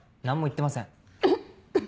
何も言ってません。